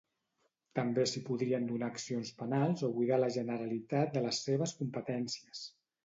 També s'hi podrien donar accions penals o buidar la Generalitat de les seves competències.